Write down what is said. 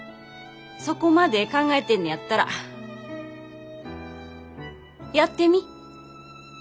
そこまで考えてんねやったらやってみ。